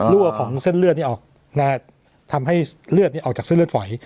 ของเส้นเลือดนี้ออกทำให้เลือดออกจากเส้นเลือดฝอย